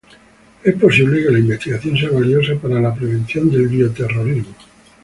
Es posible que la investigación sea valiosa para la prevención del bioterrorismo.